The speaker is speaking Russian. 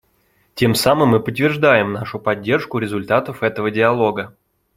Тем самым мы подтверждаем нашу поддержку результатов этого диалога.